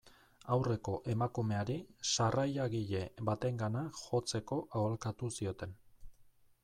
Aurreko emakumeari, sarrailagile batengana jotzeko aholkatu zioten.